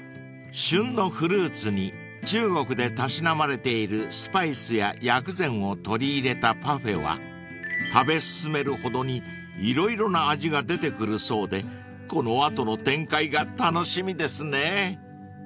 ［旬のフルーツに中国でたしなまれているスパイスや薬膳を取り入れたパフェは食べ進めるほどに色々な味が出てくるそうでこの後の展開が楽しみですね］